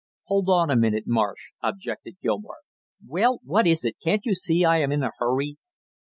"Hold on a minute, Marsh!" objected Gilmore. "Well, what is it, can't you see I am in a hurry?"